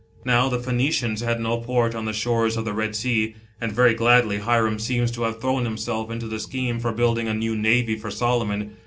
Now, the Phoenicians had no port on the shores of the Red Sea, and very gladly Hiram seems to have thrown himself into the scheme for building a new navy for Solomon.